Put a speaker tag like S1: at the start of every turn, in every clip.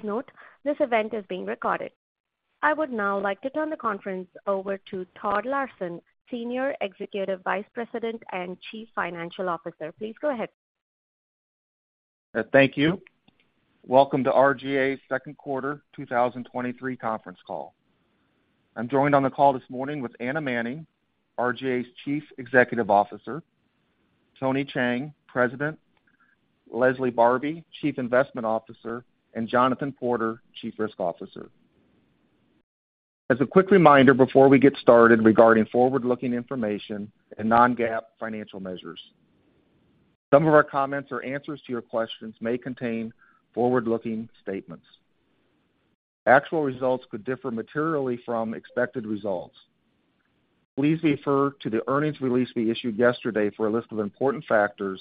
S1: Please note, this event is being recorded. I would now like to turn the conference over to Todd Larson, Senior Executive Vice President and Chief Financial Officer. Please go ahead.
S2: Thank you. Welcome to RGA's second quarter, 2023 conference call. I'm joined on the call this morning with Anna Manning, RGA's Chief Executive Officer, Tony Cheng, President, Leslie Barbi, Chief Investment Officer, and Jonathan Porter, Chief Risk Officer. As a quick reminder before we get started regarding forward-looking information and non-GAAP financial measures, some of our comments or answers to your questions may contain forward-looking statements. Actual results could differ materially from expected results. Please refer to the earnings release we issued yesterday for a list of important factors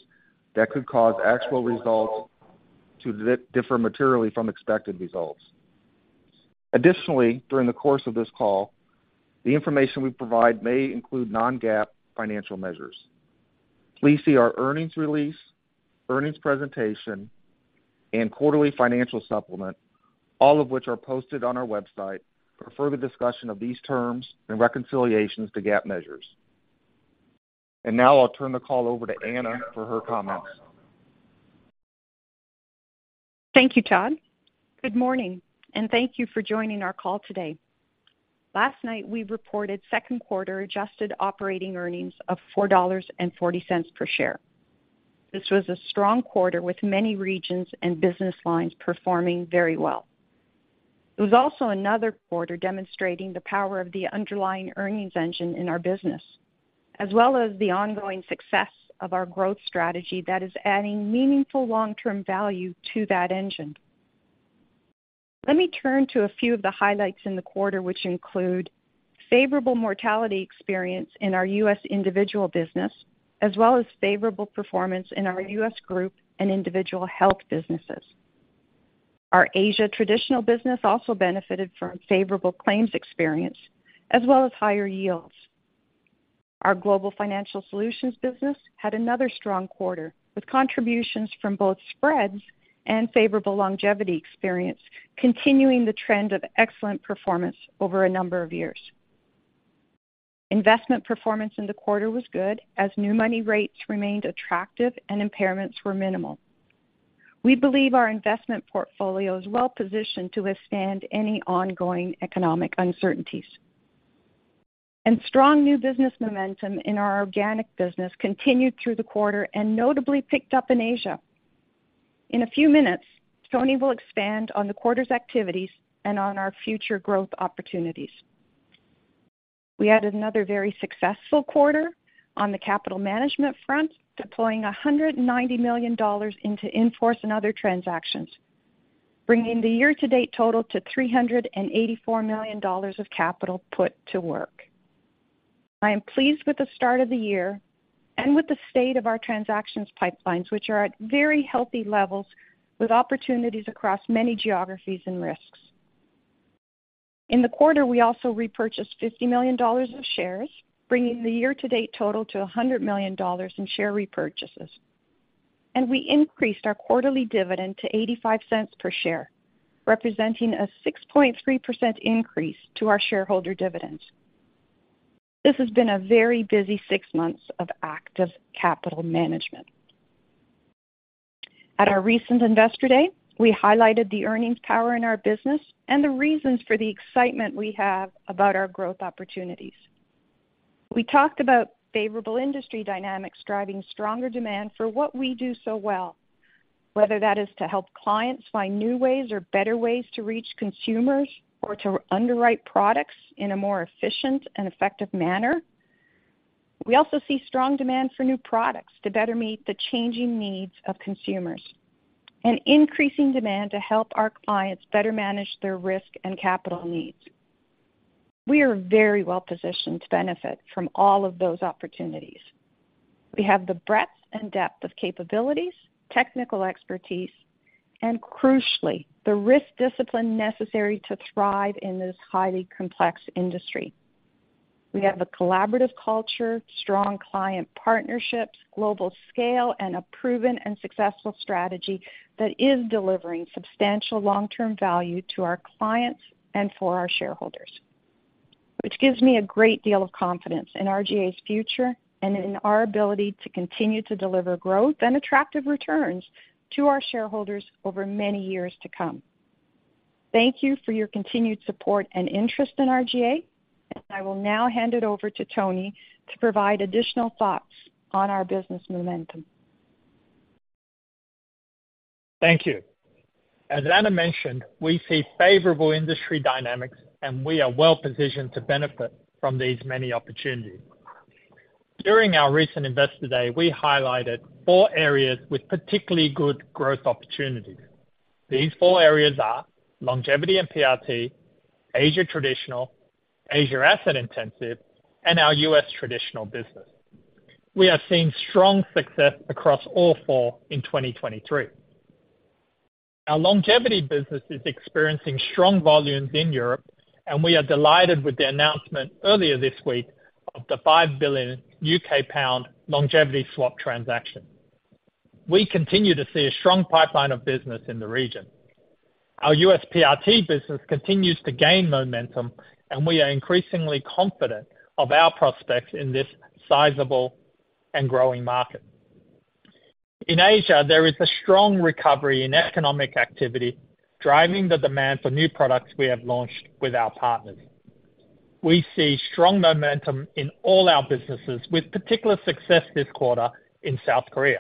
S2: that could cause actual results to differ materially from expected results. Additionally, during the course of this call, the information we provide may include non-GAAP financial measures. Please see our earnings release, earnings presentation, and quarterly financial supplement, all of which are posted on our website, for further discussion of these terms and reconciliations to GAAP measures. Now I'll turn the call over to Anna for her comments.
S3: Thank you, Todd. Good morning, thank you for joining our call today. Last night, we reported second quarter adjusted operating income of $4.40 per share. This was a strong quarter, with many regions and business lines performing very well. It was also another quarter demonstrating the power of the underlying earnings engine in our business, as well as the ongoing success of our growth strategy that is adding meaningful long-term value to that engine. Let me turn to a few of the highlights in the quarter, which include favorable mortality experience in our U.S. individual business, as well as favorable performance in our U.S. group and individual health businesses. Our Asia traditional business also benefited from favorable claims experience, as well as higher yields. Our global financial solutions business had another strong quarter, with contributions from both spreads and favorable longevity experience, continuing the trend of excellent performance over a number of years. Investment performance in the quarter was good, as new money rates remained attractive and impairments were minimal. We believe our investment portfolio is well positioned to withstand any ongoing economic uncertainties. Strong new business momentum in our organic business continued through the quarter and notably picked up in Asia. In a few minutes, Tony will expand on the quarter's activities and on our future growth opportunities. We had another very successful quarter on the capital management front, deploying $190 million into in-force and other transactions, bringing the year-to-date total to $384 million of capital put to work. I am pleased with the start of the year and with the state of our transactions pipelines, which are at very healthy levels, with opportunities across many geographies and risks. In the quarter, we also repurchased $50 million of shares, bringing the year-to-date total to $100 million in share repurchases. We increased our quarterly dividend to $0.85 per share, representing a 6.3% increase to our shareholder dividends. This has been a very busy six months of active capital management. At our recent Investor Day, we highlighted the earnings power in our business and the reasons for the excitement we have about our growth opportunities. We talked about favorable industry dynamics driving stronger demand for what we do so well, whether that is to help clients find new ways or better ways to reach consumers, or to underwrite products in a more efficient and effective manner. We also see strong demand for new products to better meet the changing needs of consumers, and increasing demand to help our clients better manage their risk and capital needs. We are very well positioned to benefit from all of those opportunities. We have the breadth and depth of capabilities, technical expertise, and crucially, the risk discipline necessary to thrive in this highly complex industry. We have a collaborative culture, strong client partnerships, global scale, and a proven and successful strategy that is delivering substantial long-term value to our clients and for our shareholders, which gives me a great deal of confidence in RGA's future and in our ability to continue to deliver growth and attractive returns to our shareholders over many years to come. Thank you for your continued support and interest in RGA. I will now hand it over to Tony to provide additional thoughts on our business momentum.
S4: Thank you. As Anna mentioned, we see favorable industry dynamics, we are well positioned to benefit from these many opportunities. During our recent Investor Day, we highlighted four areas with particularly good growth opportunities. These four areas are longevity and PRT, Asia traditional, Asia Asset Intensive, and our U.S. traditional business. We are seeing strong success across all four in 2023. Our longevity business is experiencing strong volumes in Europe, and we are delighted with the announcement earlier this week of the 5 billion pound longevity swap transaction. We continue to see a strong pipeline of business in the region. Our U.S. PRT business continues to gain momentum, and we are increasingly confident of our prospects in this sizable and growing market. In Asia, there is a strong recovery in economic activity, driving the demand for new products we have launched with our partners. We see strong momentum in all our businesses, with particular success this quarter in South Korea.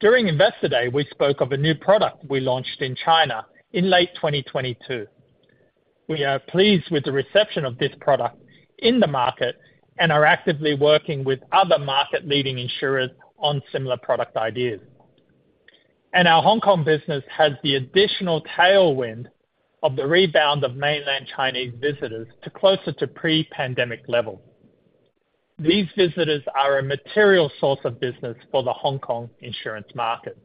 S4: During Investor Day, we spoke of a new product we launched in China in late 2022. We are pleased with the reception of this product in the market and are actively working with other market-leading insurers on similar product ideas. Our Hong Kong business has the additional tailwind of the rebound of mainland Chinese visitors to closer to pre-pandemic level. These visitors are a material source of business for the Hong Kong insurance market.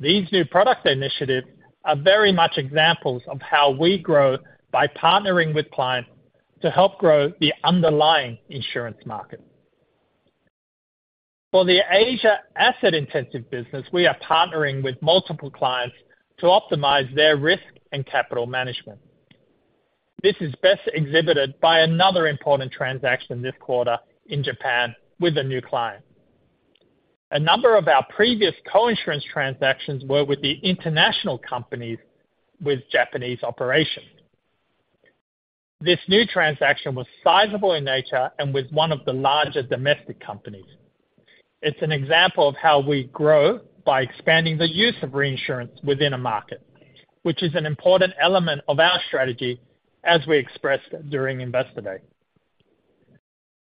S4: These new product initiatives are very much examples of how we grow by partnering with clients to help grow the underlying insurance market. For the Asia asset-intensive business, we are partnering with multiple clients to optimize their risk and capital management. This is best exhibited by another important transaction this quarter in Japan with a new client. A number of our previous coinsurance transactions were with the international companies with Japanese operations. This new transaction was sizable in nature and with one of the larger domestic companies. It's an example of how we grow by expanding the use of reinsurance within a market, which is an important element of our strategy as we expressed during Investor Day.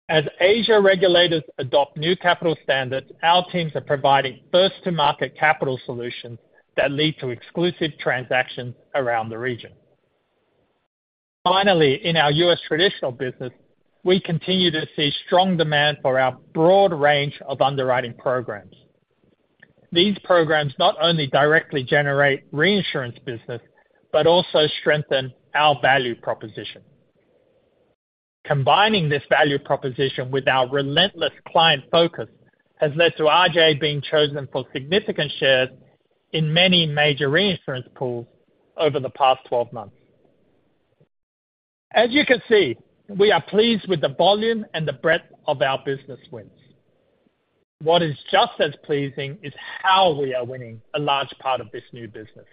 S4: As Asia regulators adopt new capital standards, our teams are providing first to market capital solutions that lead to exclusive transactions around the region. Finally, in our U.S. traditional business, we continue to see strong demand for our broad range of underwriting programs. These programs not only directly generate reinsurance business, but also strengthen our value proposition. Combining this value proposition with our relentless client focus, has led to RGA being chosen for significant shares in many major reinsurance pools over the past 12 months. As you can see, we are pleased with the volume and the breadth of our business wins. What is just as pleasing is how we are winning a large part of this new business.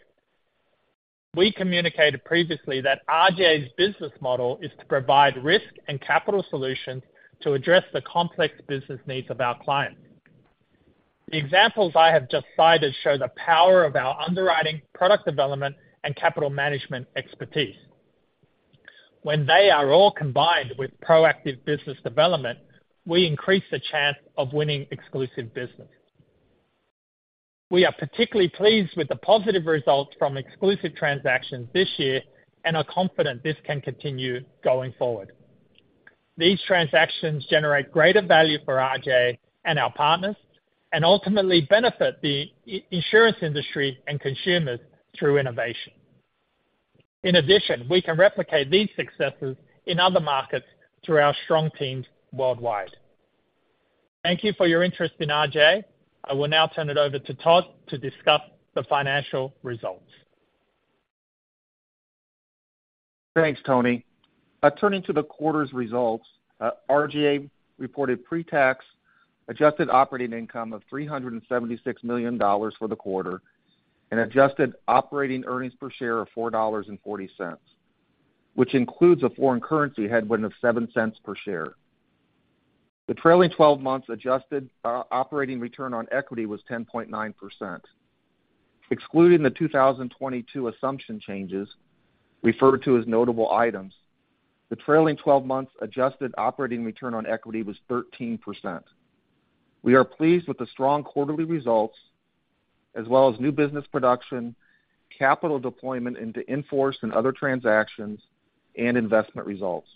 S4: We communicated previously that RGA's business model is to provide risk and capital solutions to address the complex business needs of our clients. The examples I have just cited show the power of our underwriting, product development, and capital management expertise. When they are all combined with proactive business development, we increase the chance of winning exclusive business. We are particularly pleased with the positive results from exclusive transactions this year and are confident this can continue going forward. These transactions generate greater value for RGA and our partners, and ultimately benefit the i- insurance industry and consumers through innovation. In addition, we can replicate these successes in other markets through our strong teams worldwide. Thank you for your interest in RGA. I will now turn it over to Todd to discuss the financial results.
S2: Thanks, Tony. By turning to the quarter's results, RGA reported pretax adjusted operating income of $376 million for the quarter and adjusted operating income per share of $4.40, which includes a foreign currency headwind of $0.07 per share. The trailing 12 months adjusted operating return on equity was 10.9%. Excluding the 2022 assumption changes, referred to as notable items, the trailing 12 months adjusted operating return on equity was 13%. We are pleased with the strong quarterly results, as well as new business production, capital deployment into in-force and other transactions, and investment results.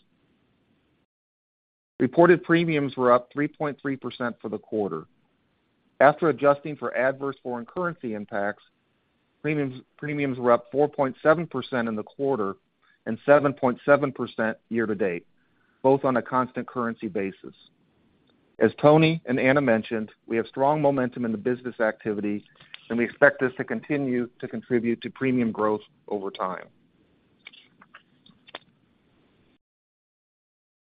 S2: Reported premiums were up 3.3% for the quarter. After adjusting for adverse foreign currency impacts, premiums were up 4.7% in the quarter and 7.7% year-to-date, both on a constant currency basis. As Tony and Anna mentioned, we have strong momentum in the business activity, we expect this to continue to contribute to premium growth over time.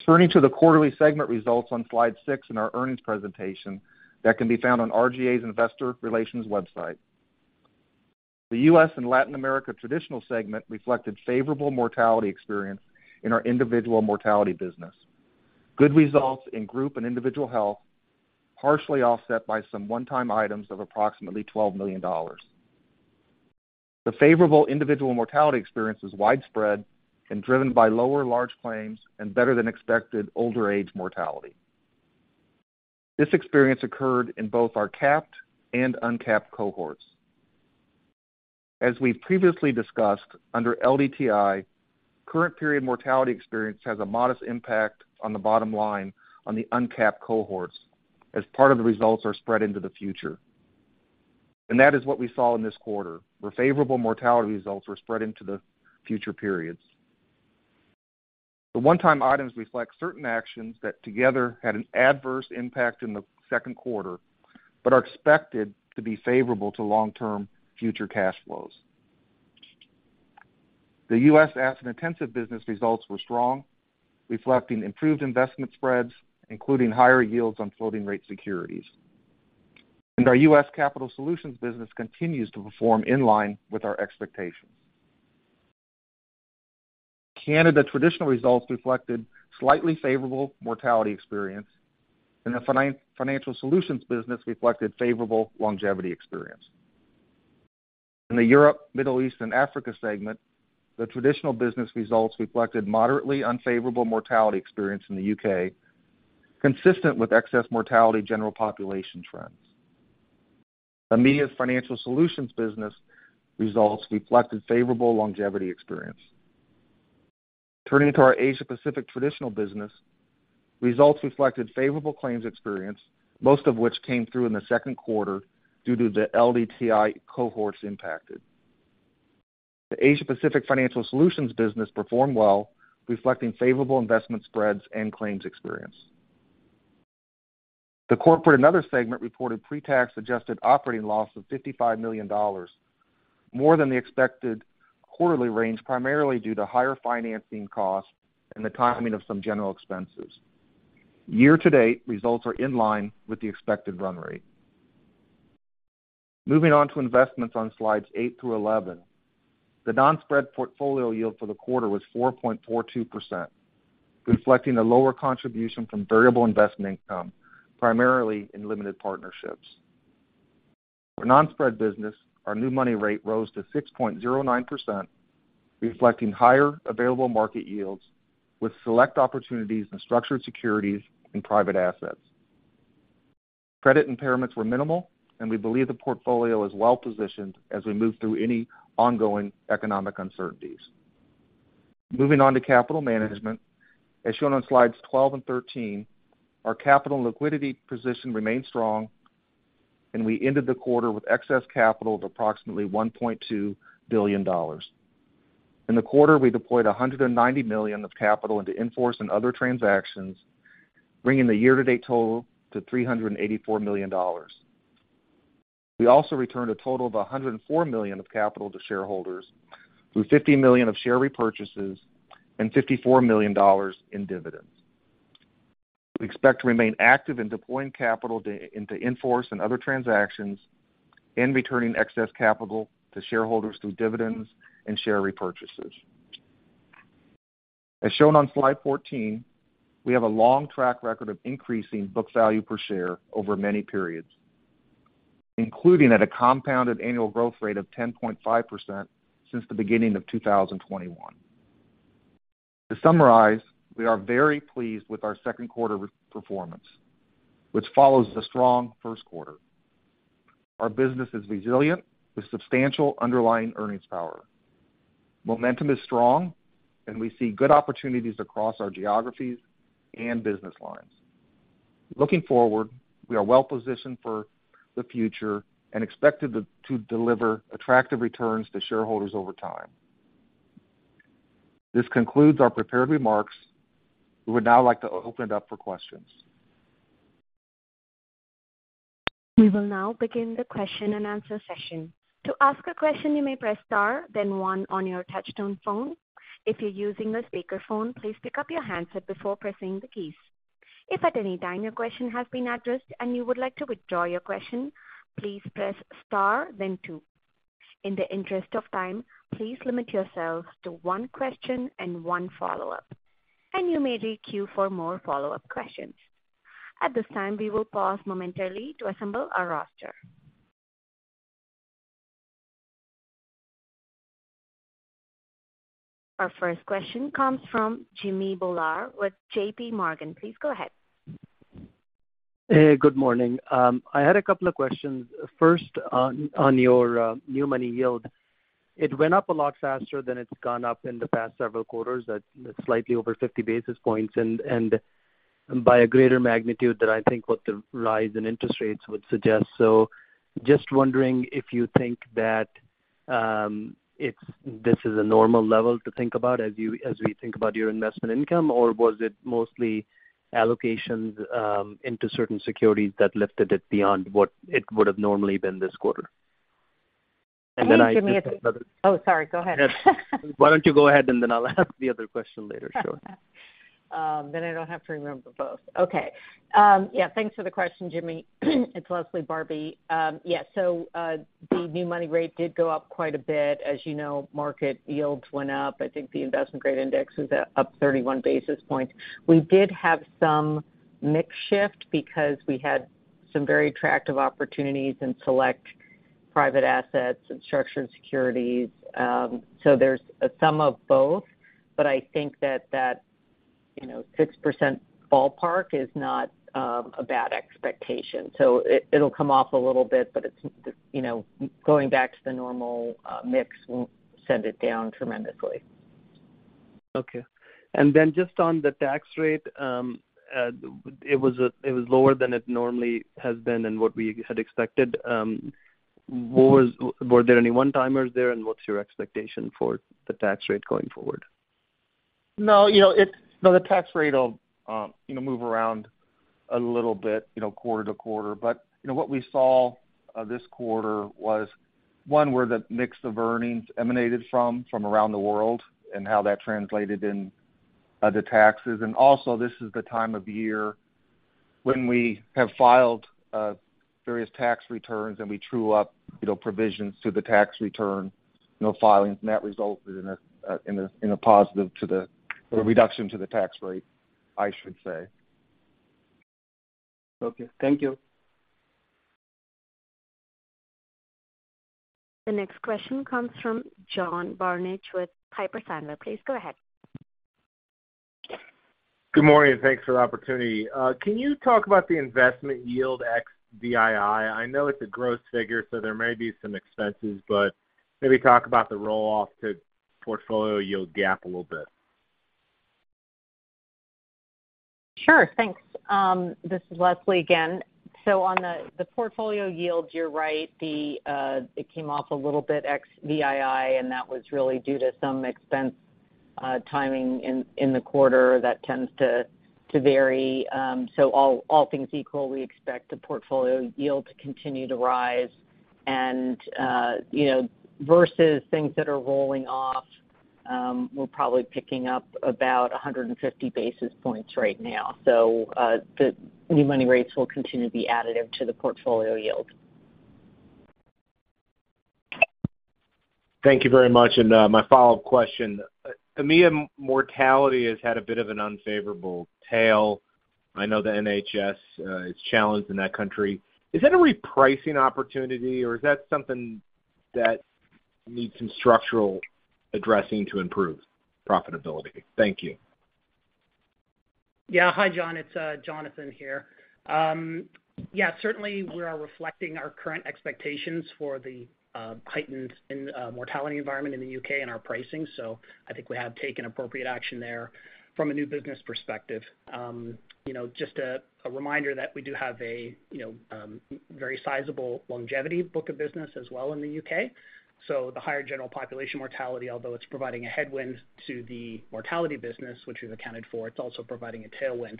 S2: Turning to the quarterly segment results on slide six in our earnings presentation that can be found on RGA's Investor Relations website. The U.S. and Latin America Traditional Segment reflected favorable mortality experience in our individual mortality business. Good results in group and individual health, partially offset by some one-time items of approximately $12 million. The favorable individual mortality experience is widespread and driven by lower large claims and better than expected older age mortality. This experience occurred in both our capped and uncapped cohorts. As we've previously discussed, under LDTI, current period mortality experience has a modest impact on the bottom line on the uncapped cohorts, as part of the results are spread into the future. That is what we saw in this quarter, where favorable mortality results were spread into the future periods. The one-time items reflect certain actions that together had an adverse impact in the second quarter, but are expected to be favorable to long-term future cash flows. The U.S. Asset Intensive business results were strong, reflecting improved investment spreads, including higher yields on floating rate securities. Our U.S. Capital Solutions business continues to perform in line with our expectations. Canada traditional results reflected slightly favorable mortality experience, and the Financial Solutions business reflected favorable longevity experience. In the Europe, Middle East, and Africa segment, the traditional business results reflected moderately unfavorable mortality experience in the U.K., consistent with excess mortality general population trends. EMEA's Financial Solutions business results reflected favorable longevity experience. Turning to our Asia Pacific traditional business, results reflected favorable claims experience, most of which came through in the second quarter due to the LDTI cohorts impacted. The Asia Pacific Financial Solutions business performed well, reflecting favorable investment spreads and claims experience. The corporate and other segment reported pretax adjusted operating loss of $55 million, more than the expected quarterly range, primarily due to higher financing costs and the timing of some general expenses. Year-to-date results are in line with the expected run rate. Moving on to investments on slides eight through 11. The non-spread portfolio yield for the quarter was 4.42%, reflecting a lower contribution from variable investment income, primarily in limited partnerships. For non-spread business, our new money rate rose to 6.09%, reflecting higher available market yields with select opportunities in structured securities and private assets. Credit impairments were minimal, and we believe the portfolio is well positioned as we move through any ongoing economic uncertainties. Moving on to capital management. As shown on slides 12 and 13, our capital and liquidity position remains strong, and we ended the quarter with excess capital of approximately $1.2 billion. In the quarter, we deployed $190 million of capital into in-force and other transactions, bringing the year-to-date total to $384 million. We also returned a total of $104 million of capital to shareholders, through $50 million of share repurchases and $54 million in dividends. We expect to remain active in deploying capital into in-force and other transactions and returning excess capital to shareholders through dividends and share repurchases. As shown on slide 14, we have a long track record of increasing book value per share over many periods, including at a compounded annual growth rate of 10.5% since the beginning of 2021. To summarize, we are very pleased with our second quarter performance, which follows the strong first quarter. Our business is resilient, with substantial underlying earnings power. Momentum is strong, we see good opportunities across our geographies and business lines. Looking forward, we are well positioned for the future and expected to deliver attractive returns to shareholders over time. This concludes our prepared remarks. We would now like to open it up for questions.
S1: We will now begin the question-and-answer session. To ask a question, you may press star then 1 on your touchtone phone. If you're using a speakerphone, please pick up your handset before pressing the keys. If at any time your question has been addressed and you would like to withdraw your question, please press star then two. In the interest of time, please limit yourselves to one question and one follow-up, and you may queue for more follow-up questions. At this time, we will pause momentarily to assemble our roster. Our first question comes from Jimmy Bhullar with JPMorgan. Please go ahead.
S5: Hey, good morning. I had a couple of questions. First, on, on your new money yield, it went up a lot faster than it's gone up in the past several quarters, at slightly over 50 basis points and, and by a greater magnitude than I think what the rise in interest rates would suggest. Just wondering if you think that, this is a normal level to think about as you, as we think about your investment income, or was it mostly allocations, into certain securities that lifted it beyond what it would have normally been this quarter? Then I-
S6: Jimmy, it's... Oh, sorry, go ahead.
S5: Why don't you go ahead, and then I'll ask the other question later, sure.
S6: I don't have to remember both. Okay. Yeah, thanks for the question, Jimmy. It's Leslie Barbi. Yeah, the new money rate did go up quite a bit. As you know, market yields went up. I think the investment-grade index is up 31 basis points. We did have some mix shift because we had some very attractive opportunities in select private assets and structured securities. There's a sum of both, but I think that, that, you know, 6% ballpark is not a bad expectation. It, it'll come off a little bit, but it's, you know, going back to the normal mix won't send it down tremendously....
S5: Okay. Just on the tax rate, it was a, it was lower than it normally has been and what we had expected. Were there any one-timers there? What's your expectation for the tax rate going forward?
S2: No, you know, no, the tax rate will, you know, move around a little bit, you know, quarter to quarter. You know, what we saw, this quarter was one where the mix of earnings emanated from, from around the world and how that translated in, the taxes. Also, this is the time of year when we have filed, various tax returns, and we true up, you know, provisions to the tax return, no filings, and that resulted in a, in a, in a positive to the- or a reduction to the tax rate, I should say.
S5: Okay, thank you.
S1: The next question comes from John Barnidge with Piper Sandler. Please go ahead.
S7: Good morning, and thanks for the opportunity. Can you talk about the investment yield XVII? I know it's a gross figure, so there may be some expenses, but maybe talk about the roll-off to portfolio yield gap a little bit.
S6: Sure. Thanks. This is Leslie again. On the portfolio yields, you're right, it came off a little bit XVII, and that was really due to some expense timing in the quarter. That tends to vary. All things equal, we expect the portfolio yield to continue to rise. You know, versus things that are rolling off, we're probably picking up about 150 basis points right now. The new money rates will continue to be additive to the portfolio yield.
S7: Thank you very much. My follow-up question. EMEA mortality has had a bit of an unfavorable tail. I know the NHS is challenged in that country. Is that a repricing opportunity, or is that something that needs some structural addressing to improve profitability? Thank you.
S8: Yeah. Hi, John. It's Jonathan here. Yeah, certainly we are reflecting our current expectations for the heightened mortality environment in the U.K. and our pricing. I think we have taken appropriate action there from a new business perspective. You know, just a reminder that we do have a, you know, very sizable longevity book of business as well in the U.K. The higher general population mortality, although it's providing a headwind to the mortality business, which we've accounted for, it's also providing a tailwind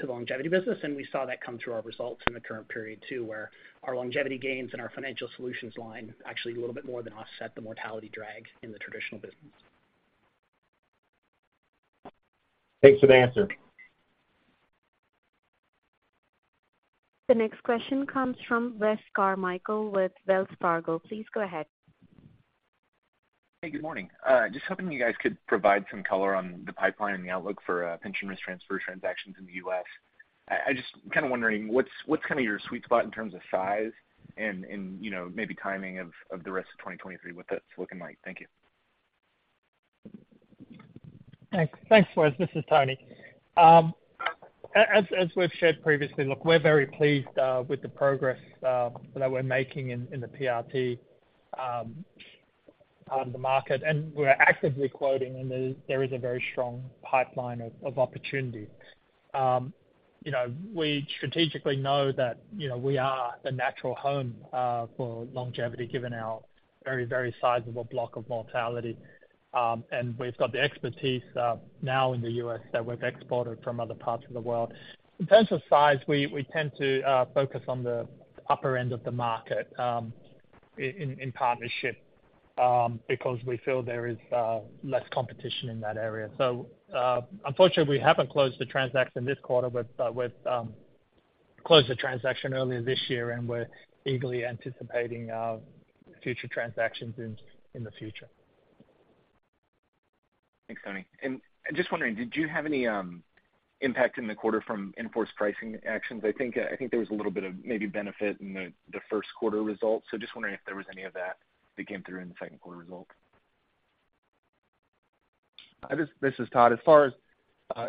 S8: to the longevity business, and we saw that come through our results in the current period, too, where our longevity gains and our financial solutions line actually a little bit more than offset the mortality drag in the traditional business.
S7: Thanks for the answer.
S1: The next question comes from Wes Carmichael with Wells Fargo. Please go ahead.
S9: Hey, good morning. just hoping you guys could provide some color on the pipeline and the outlook for, pension risk transfer transactions in the U.S. I, I just kind of wondering, what's, what's kind of your sweet spot in terms of size and, and, you know, maybe timing of, of the rest of 2023, what that's looking like? Thank you.
S4: Thanks. Thanks, Wes. This is Tony. As we've shared previously, look, we're very pleased with the progress that we're making in the PRT market. We're actively quoting, and there is a very strong pipeline of opportunity. You know, we strategically know that, you know, we are the natural home for longevity, given our very, very sizable block of mortality. We've got the expertise now in the U.S. that we've exported from other parts of the world. In terms of size, we tend to focus on the upper end of the market in partnership, because we feel there is less competition in that area. Unfortunately, we haven't closed the transaction this quarter, but we've closed the transaction earlier this year, and we're eagerly anticipating future transactions in the future.
S9: Thanks, Tony. Just wondering, did you have any impact in the quarter from enforced pricing actions? I think, I think there was a little bit of maybe benefit in the, the first quarter results. Just wondering if there was any of that, that came through in the second quarter results.
S2: This, this is Todd. As far as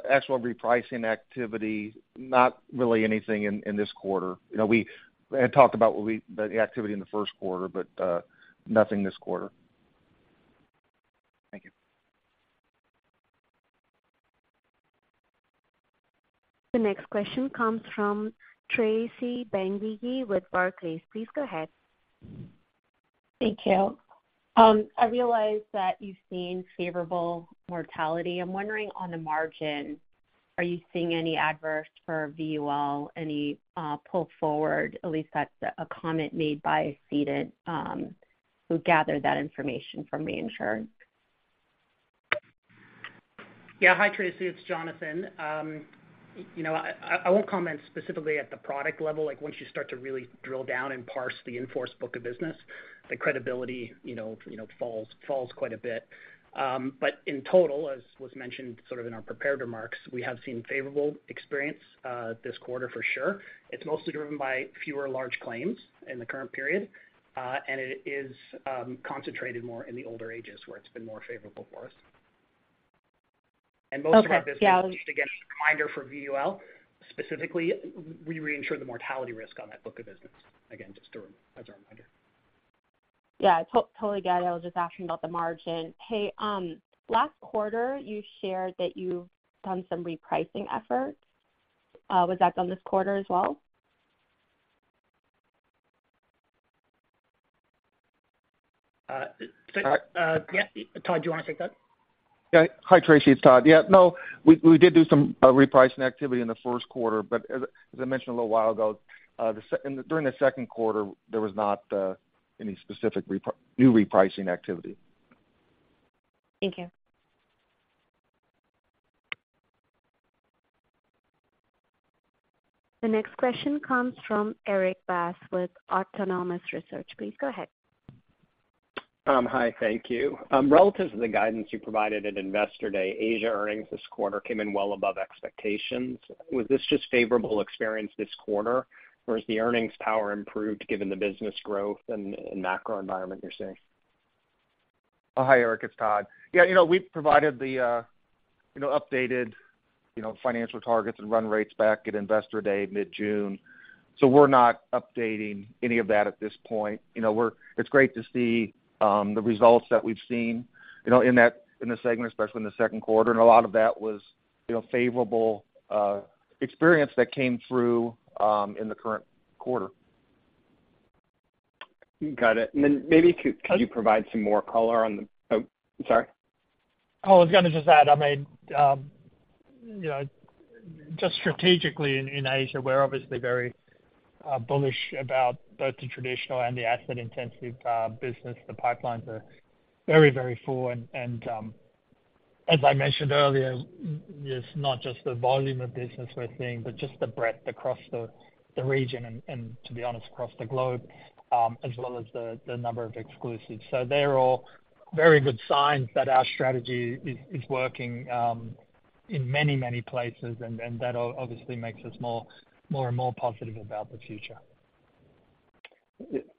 S2: actual repricing activity, not really anything in, in this quarter. You know, we had talked about what we -- the activity in the first quarter, but nothing this quarter.
S9: Thank you.
S1: The next question comes from Tracy Benguigui with Barclays. Please go ahead.
S10: Thank you. I realize that you've seen favorable mortality. I'm wondering, on the margin, are you seeing any adverse for VUL, any, pull forward? At least that's a comment made by the ceding, who gathered that information from the insurer.
S8: Yeah. Hi, Tracy, it's Jonathan. You know, I, I won't comment specifically at the product level. Like, once you start to really drill down and parse the in-force book of business, the credibility, you know, you know, falls, falls quite a bit. In total, as was mentioned sort of in our prepared remarks, we have seen favorable experience this quarter for sure. It's mostly driven by fewer large claims in the current period, and it is concentrated more in the older ages where it's been more favorable for us.
S10: Okay.
S8: Most of our business, just again, a reminder for VUL, specifically, we reinsure the mortality risk on that book of business. Again, just to, as a reminder.
S10: Yeah, I totally get it. I was just asking about the margin. Hey, last quarter, you shared that you've done some repricing efforts. Was that done this quarter as well?
S4: Yeah, Todd, do you want to take that?
S2: Yeah. Hi, Tracy, it's Todd. Yeah, no, we, we did do some repricing activity in the first quarter, but as, as I mentioned a little while ago, and during the second quarter, there was not any specific new repricing activity.
S10: Thank you.
S1: The next question comes from Erik Bass with Autonomous Research. Please go ahead.
S11: Hi, thank you. Relative to the guidance you provided at Investor Day, Asia earnings this quarter came in well above expectations. Was this just favorable experience this quarter, or is the earnings power improved given the business growth and, and macro environment you're seeing?
S2: Oh, hi, Erik, it's Todd. Yeah, you know, we've provided the, you know, updated, you know, financial targets and run rates back at Investor Day mid-June. We're not updating any of that at this point. You know, it's great to see the results that we've seen, you know, in that, in the segment, especially in the second quarter, a lot of that was, you know, favorable experience that came through in the current quarter.
S11: Got it. then maybe could-.
S2: I-
S11: Could you provide some more color on the... Oh, sorry.
S4: Oh, I was gonna just add, I mean, you know, just strategically in, in Asia, we're obviously very bullish about both the traditional and the asset-intensive business. The pipelines are very, very full, and, as I mentioned earlier, it's not just the volume of business we're seeing, but just the breadth across the region, and, to be honest, across the globe, as well as the number of exclusives. They're all very good signs that our strategy is working in many, many places, and that obviously makes us more, more and more positive about the future.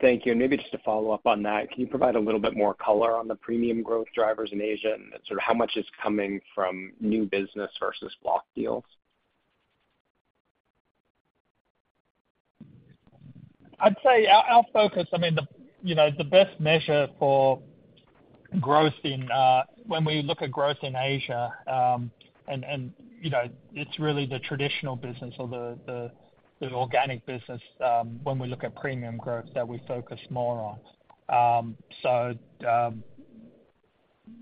S11: Thank you. Maybe just to follow up on that, can you provide a little bit more color on the premium growth drivers in Asia, and sort of how much is coming from new business versus block deals?
S4: I'd say our, our focus, I mean, the, you know, the best measure for growth in, when we look at growth in Asia, and, and, you know, it's really the traditional business or the, the, the organic business, when we look at premium growth that we focus more on.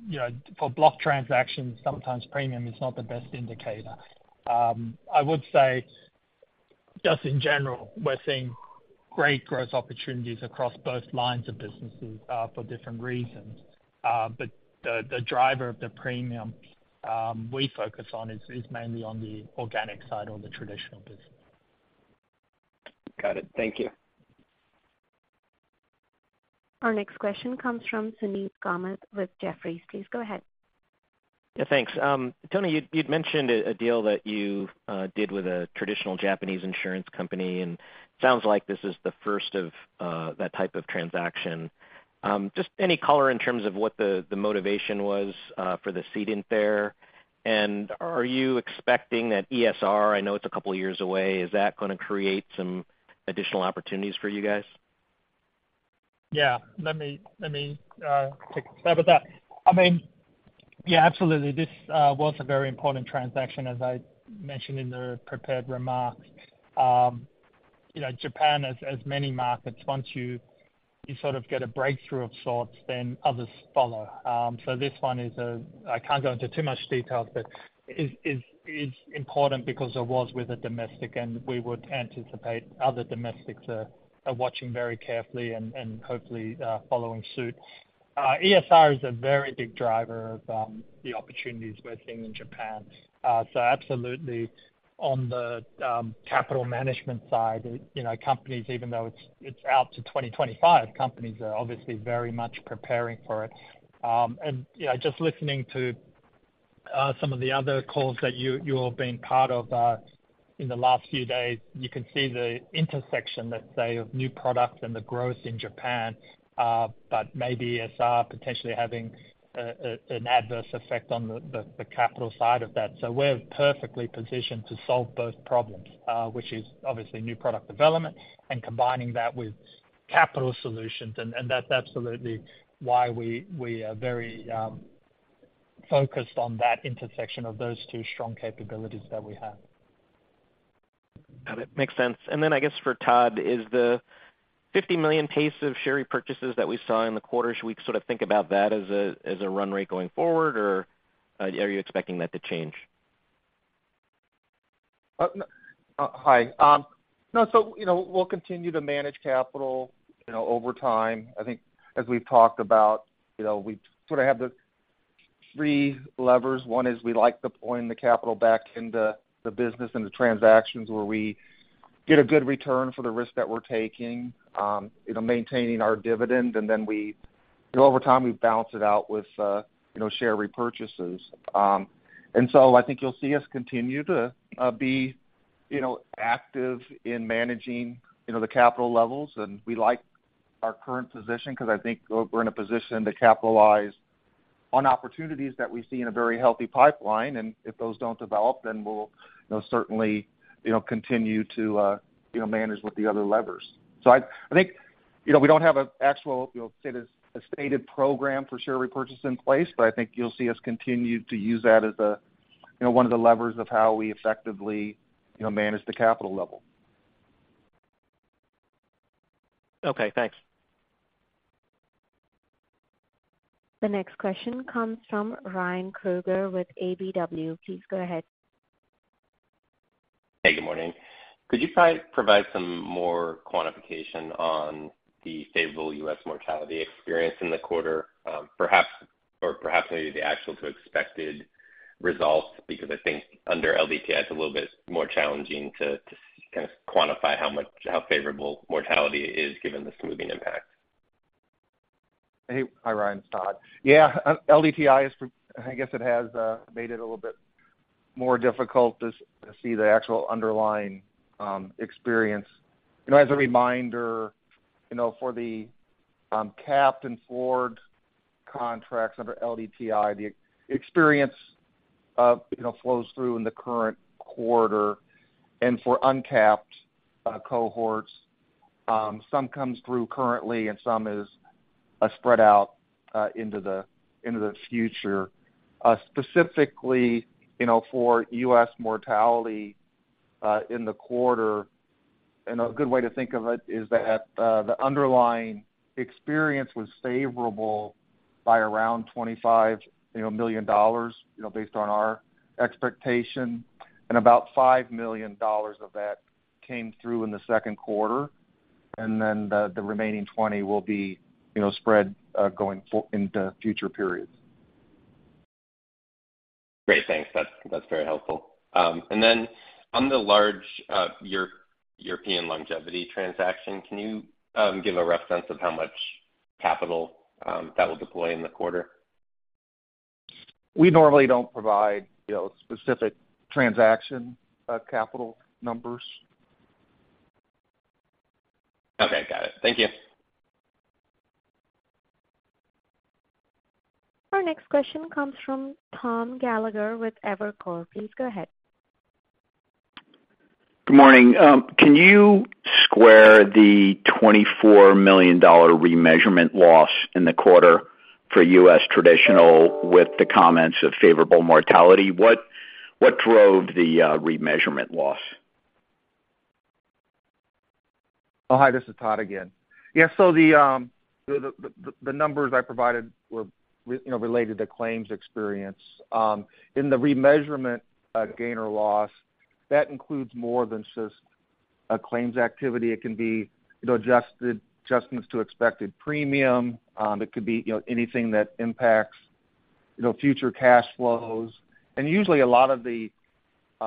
S4: You know, for block transactions, sometimes premium is not the best indicator. I would say, just in general, we're seeing great growth opportunities across both lines of businesses, for different reasons. The, the driver of the premium, we focus on is, is mainly on the organic side or the traditional business.
S11: Got it. Thank you.
S1: Our next question comes from Suneet Kamath with Jefferies. Please go ahead.
S12: Yeah, thanks. Tony, you, you'd mentioned a, a deal that you did with a traditional Japanese insurance company, and sounds like this is the first of that type of transaction. Just any color in terms of what the motivation was for the ceding there, and are you expecting that ESR, I know it's two years away, is that gonna create some additional opportunities for you guys?
S4: Yeah. Let me, let me take a stab at that. I mean, yeah, absolutely. This was a very important transaction, as I mentioned in the prepared remarks. You know, Japan, as, as many markets, once you, you sort of get a breakthrough of sorts, then others follow. This one is, I can't go into too much details, but is, is, is important because it was with a domestic, and we would anticipate other domestics are, are watching very carefully and, and hopefully following suit. ESR is a very big driver of the opportunities we're seeing in Japan. Absolutely on the capital management side, you know, companies, even though it's, it's out to 2025, companies are obviously very much preparing for it. You know, just listening to some of the other calls that you, you all have been part of, in the last few days, you can see the intersection, let's say, of new products and the growth in Japan, but maybe ESR potentially having an adverse effect on the capital side of that. We're perfectly positioned to solve both problems, which is obviously new product development and combining that with capital solutions, that's absolutely why we, we are very focused on that intersection of those two strong capabilities that we have.
S12: Got it. Makes sense. Then I guess for Todd, is the $50 million pace of share repurchases that we saw in the quarter, should we sort of think about that as a, as a run rate going forward, or, are you expecting that to change?
S2: Hi. No, you know, we'll continue to manage capital, you know, over time. I think as we've talked about, you know, we sort of have the three levers. One is we like deploying the capital back into the business and the transactions where we get a good return for the risk that we're taking. You know, maintaining our dividend, and then we, you know, over time, we balance it out with, you know, share repurchases. So I think you'll see us continue to be, you know, active in managing, you know, the capital levels. We like our current position because I think we're, we're in a position to capitalize-... on opportunities that we see in a very healthy pipeline. If those don't develop, then we'll, you know, certainly, you know, continue to, you know, manage with the other levers. I, I think, you know, we don't have an actual, you know, stated, a stated program for share repurchase in place, but I think you'll see us continue to use that as a, you know, one of the levers of how we effectively, you know, manage the capital level.
S12: Okay, thanks.
S1: The next question comes from Ryan Krueger with KBW. Please go ahead.
S13: Hey, good morning. Could you provide some more quantification on the favorable U.S. mortality experience in the quarter, perhaps, or perhaps maybe the actual to expected results? Because I think under LDTI, it's a little bit more challenging to kind of quantify how much, how favorable mortality is given the smoothing impact.
S2: Hey. Hi, Ryan, it's Todd. Yeah, LDTI is, I guess it has made it a little bit more difficult to see the actual underlying experience. You know, as a reminder, you know, for the capped and floored contracts under LDTI, the experience, you know, flows through in the current quarter, and for uncapped cohorts, some comes through currently, and some is spread out into the into the future. Specifically, you know, for U.S. mortality in the quarter, and a good way to think of it is that the underlying experience was favorable by around $25 million, you know, based on our expectation, and about $5 million of that came through in the second quarter, and then the remaining $20 million will be, you know, spread going for into future periods.
S13: Great, thanks. That's, that's very helpful. Then on the large, European longevity transaction, can you give a rough sense of how much capital that will deploy in the quarter?
S2: We normally don't provide, you know, specific transaction, capital numbers.
S13: Okay, got it. Thank you.
S1: Our next question comes from Tom Gallagher with Evercore. Please go ahead.
S14: Good morning. Can you square the $24 million remeasurement loss in the quarter for U.S. traditional with the comments of favorable mortality? What, what drove the remeasurement loss?
S2: Oh, hi, this is Todd again. The numbers I provided were, you know, related to claims experience. In the remeasurement gain or loss, that includes more than just claims activity. It can be, you know, adjusted, adjustments to expected premium. It could be, you know, anything that impacts, you know, future cash flows. Usually, a lot of the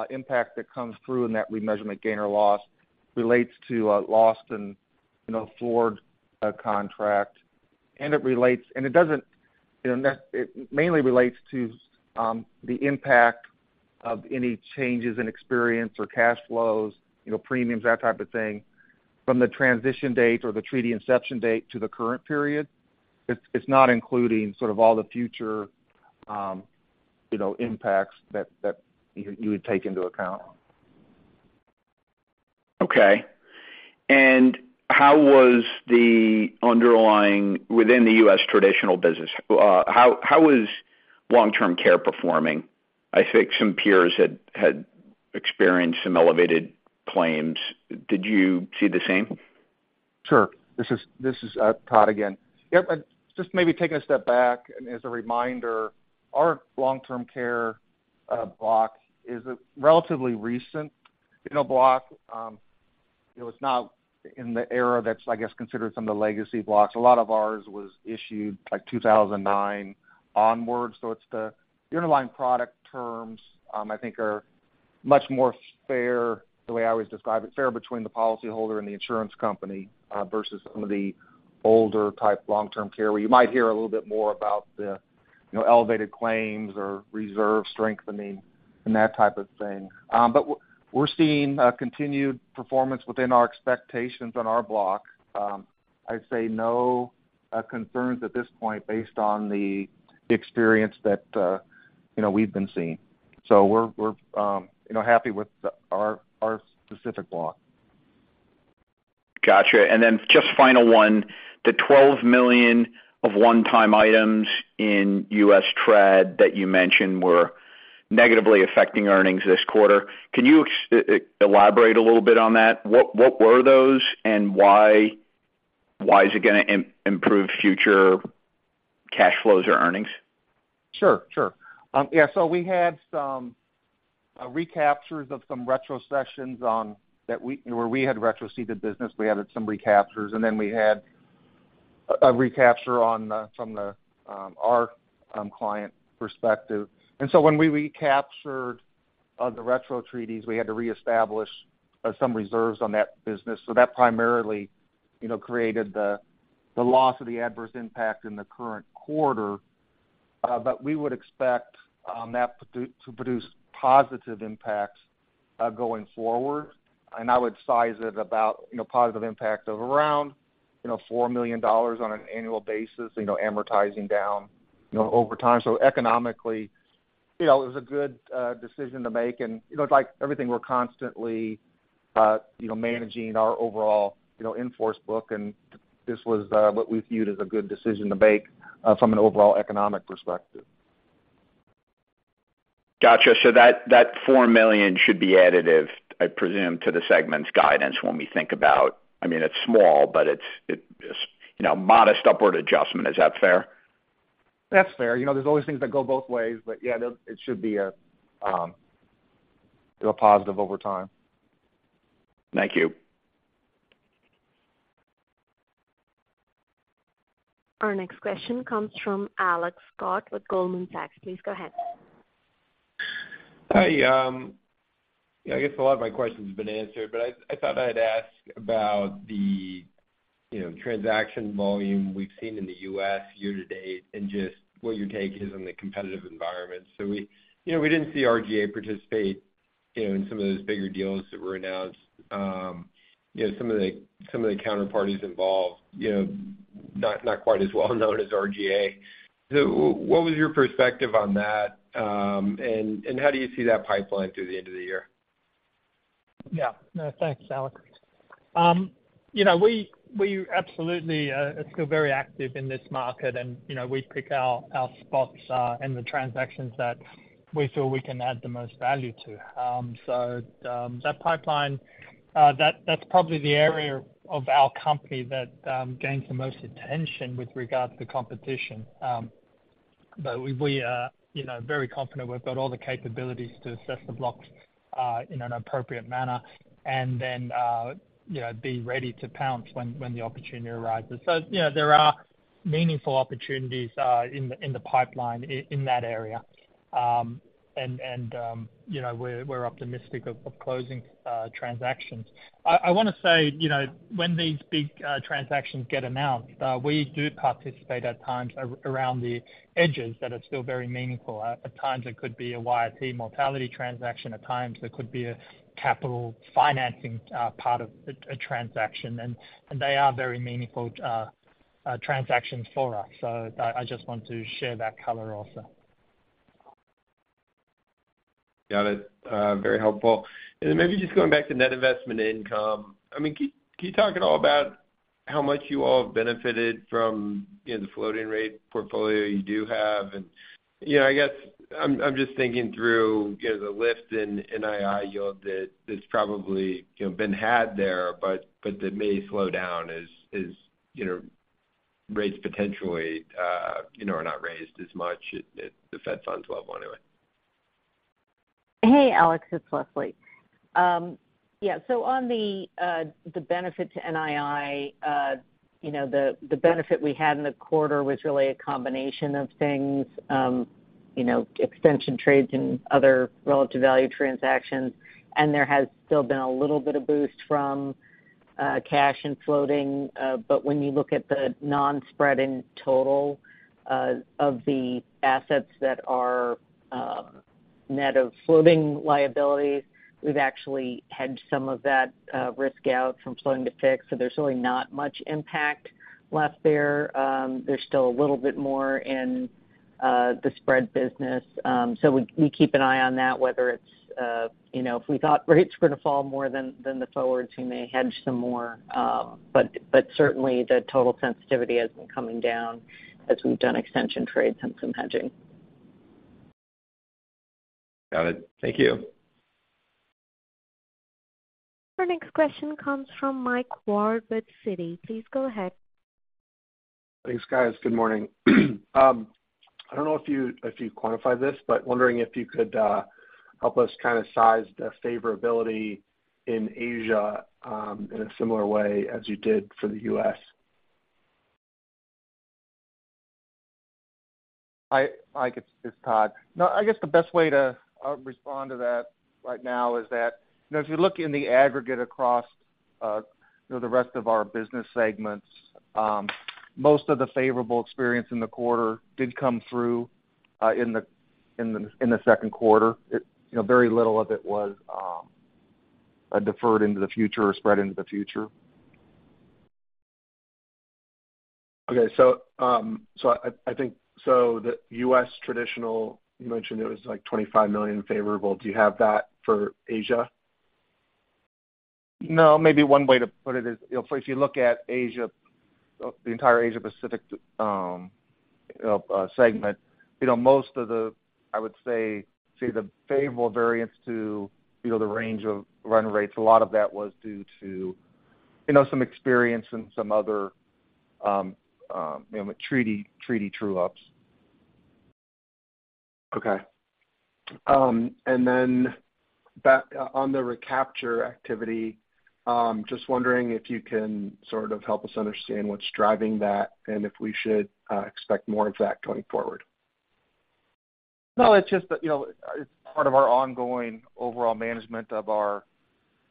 S2: impact that comes through in that remeasurement gain or loss relates to loss and, you know, floored contract, it mainly relates to the impact of any changes in experience or cash flows, you know, premiums, that type of thing, from the transition date or the treaty inception date to the current period. It's, it's not including sort of all the future, you know, impacts that, that you, you would take into account.
S14: Okay. How was the underlying within the US traditional business, how, how was long-term care performing? I think some peers had, had experienced some elevated claims. Did you see the same?
S2: Sure. This is, this is, Todd again. Yep, just maybe taking a step back, and as a reminder, our long-term care block is a relatively recent, you know, block. It was not in the era that's, I guess, considered some of the legacy blocks. A lot of ours was issued, like, 2009 onwards, so it's the underlying product terms, I think are much more fair, the way I always describe it, fair between the policyholder and the insurance company, versus some of the older type long-term care, where you might hear a little bit more about the, you know, elevated claims or reserve strengthening and that type of thing. But we're seeing continued performance within our expectations on our block. I'd say no, concerns at this point based on the experience that, you know, we've been seeing. We're, we're, you know, happy with the our, our specific block.
S14: Gotcha. Then just final one: the $12 million of one-time items in U.S. trad that you mentioned were negatively affecting earnings this quarter. Can you elaborate a little bit on that? What were those, and why, why is it gonna improve future cash flows or earnings?
S2: Sure, sure. Yeah, we had some recaptures of some retrocessions on, that we, where we had retroceded business. We added some recaptures, and then we had a recapture on the, from the, our client perspective. When we recaptured the retro treaties, we had to reestablish some reserves on that business. That primarily, you know, created the, the loss of the adverse impact in the current quarter. We would expect that to produce, to produce positive impacts- going forward, and I would size it about, you know, positive impact of around, you know, $4 million on an annual basis, you know, amortizing down, you know, over time. Economically, you know, it was a good decision to make. You know, like everything, we're constantly, you know, managing our overall, you know, in-force book, and this was, what we viewed as a good decision to make, from an overall economic perspective.
S14: Gotcha. That, that $4 million should be additive, I presume, to the segment's guidance when we think about, I mean, it's small, but it's, it, you know, modest upward adjustment. Is that fair?
S2: That's fair. You know, there's always things that go both ways, but yeah, it should be a, to a positive over time.
S14: Thank you.
S1: Our next question comes from Alex Scott with Goldman Sachs. Please go ahead.
S15: Hi, yeah, I guess a lot of my questions have been answered, but I, I thought I'd ask about the, you know, transaction volume we've seen in the US year to date and just what your take is on the competitive environment. We, you know, we didn't see RGA participate, you know, in some of those bigger deals that were announced. You know, some of the, some of the counterparties involved, you know, not, not quite as well-known as RGA. What was your perspective on that, and, and how do you see that pipeline through the end of the year?
S4: Yeah. No, thanks, Alex. You know, we, we absolutely, are still very active in this market, and, you know, we pick our, our spots, in the transactions that we feel we can add the most value to. That pipeline, that's probably the area of our company that, gains the most attention with regard to the competition. We, we are, you know, very confident we've got all the capabilities to assess the blocks, in an appropriate manner and then, you know, be ready to pounce when, when the opportunity arises. You know, there are meaningful opportunities, in the, in the pipeline in that area. You know, we're, we're optimistic of, of closing, transactions. I, I wanna say, you know, when these big transactions get announced, we do participate at times around the edges that are still very meaningful. At times it could be a YRT mortality transaction, at times it could be a capital financing part of a transaction, and they are very meaningful transactions for us. I, I just want to share that color also.
S15: Got it. Very helpful. Then maybe just going back to net investment income. I mean, can you talk at all about how much you all have benefited from, you know, the floating rate portfolio you do have? I guess I'm just thinking through, you know, the lift in NII yield that, that's probably, you know, been had there, but that may slow down as, you know, rates potentially are not raised as much at the Fed Funds level anyway.
S6: Hey, Alex, it's Leslie. Yeah, on the benefit to NII, you know, the benefit we had in the quarter was really a combination of things, you know, extension trades and other relative value transactions, and there has still been a little bit of boost from cash and floating. When you look at the non-spreading total of the assets that are net of floating liabilities, we've actually hedged some of that risk out from floating to fixed, so there's really not much impact left there. There's still a little bit more in the spread business. We, we keep an eye on that, whether it's, you know, if we thought rates were gonna fall more than, than the forwards, we may hedge some more. Certainly the total sensitivity has been coming down as we've done extension trades and some hedging.
S15: Got it. Thank you.
S1: Our next question comes from Mike Ward with Citi. Please go ahead.
S16: Thanks, guys. Good morning. I don't know if you, if you quantified this, but wondering if you could help us kind of size the favorability in Asia, in a similar way as you did for the U.S.?
S2: Hi, Mike, it's, it's Todd. No, I guess the best way to respond to that right now is that, you know, if you look in the aggregate across, you know, the rest of our business segments, most of the favorable experience in the quarter did come through in the, in the, in the second quarter. You know, very little of it was deferred into the future or spread into the future.
S16: Okay, I, I think, the U.S. traditional, you mentioned it was, like, $25 million favorable. Do you have that for Asia?
S2: No. Maybe one way to put it is, you know, if you look at Asia, the entire Asia Pacific, segment, you know, most of the, I would say, say the favorable variance to, you know, the range of run rates, a lot of that was due to, you know, some experience and some other, you know, treaty, treaty true-ups.
S16: Okay. And then back-- on the recapture activity, just wondering if you can sort of help us understand what's driving that and if we should expect more of that going forward.
S2: No, it's just that, you know, it's part of our ongoing overall management of our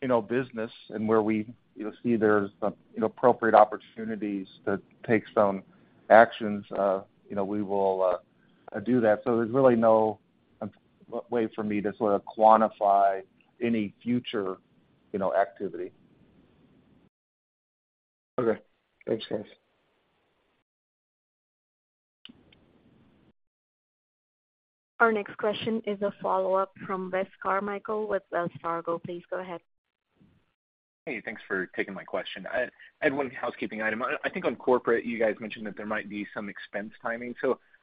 S2: you know, business and where we, you know, see there's, you know, appropriate opportunities to take some actions, you know, we will do that. There's really no way for me to sort of quantify any future, you know, activity.
S16: Okay. Thanks, guys.
S1: Our next question is a follow-up from Wes Carmichael with Wells Fargo. Please go ahead.
S9: Hey, thanks for taking my question. I had one housekeeping item. I think on corporate, you guys mentioned that there might be some expense timing.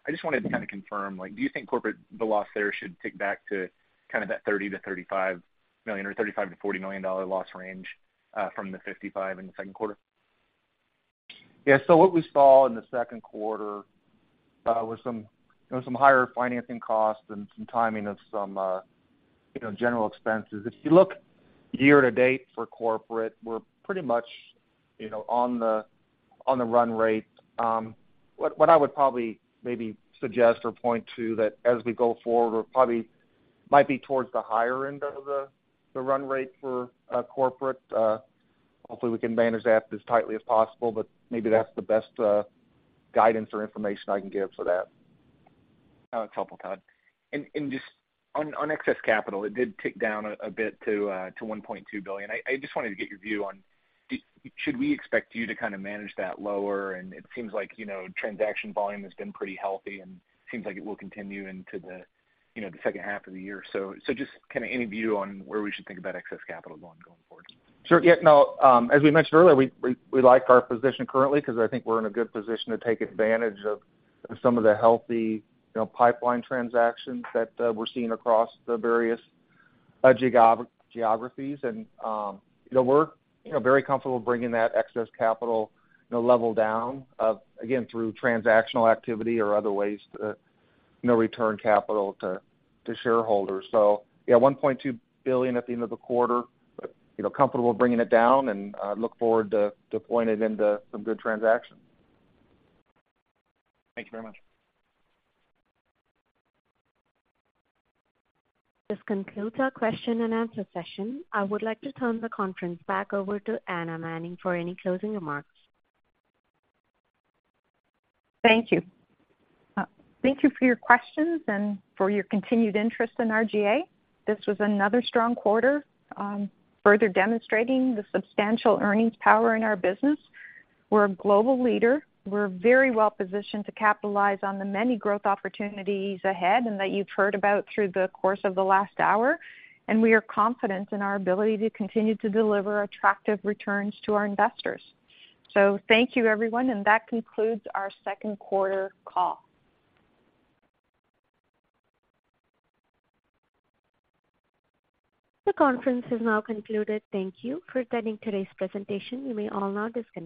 S9: I just wanted to kind of confirm, like, do you think corporate, the loss there should tick back to kind of that $30 million-$35 million or $35 million-$40 million loss range, from the $55 million in the second quarter?
S2: Yeah. What we saw in the second quarter was some, you know, some higher financing costs and some timing of some, you know, general expenses. If you look year-to-date for corporate, we're pretty much, you know, on the, on the run rate. What I would probably maybe suggest or point to that as we go forward, we're probably might be towards the higher end of the, the run rate for corporate. Hopefully, we can manage that as tightly as possible, but maybe that's the best guidance or information I can give for that.
S9: That's helpful, Todd. Just on, on excess capital, it did tick down a, a bit to $1.2 billion. I, I just wanted to get your view on should we expect you to kind of manage that lower? It seems like, you know, transaction volume has been pretty healthy and seems like it will continue into the, you know, the second half of the year. Just kind of any view on where we should think about excess capital going, going forward?
S2: Sure, yeah, no, as we mentioned earlier, we, we, we like our position currently because I think we're in a good position to take advantage of, of some of the healthy, you know, pipeline transactions that we're seeing across the various geographies. We're, you know, very comfortable bringing that excess capital, you know, level down, again, through transactional activity or other ways to, you know, return capital to, to shareholders. Yeah, $1.2 billion at the end of the quarter, but, you know, comfortable bringing it down, and look forward to, to deploying it into some good transactions.
S9: Thank you very much.
S1: This concludes our question-and-answer session. I would like to turn the conference back over to Anna Manning for any closing remarks.
S3: Thank you. Thank you for your questions and for your continued interest in RGA. This was another strong quarter, further demonstrating the substantial earnings power in our business. We're a global leader. We're very well positioned to capitalize on the many growth opportunities ahead, and that you've heard about through the course of the last hour, and we are confident in our ability to continue to deliver attractive returns to our investors. Thank you, everyone, and that concludes our second quarter call.
S1: The conference is now concluded. Thank you for attending today's presentation. You may all now disconnect.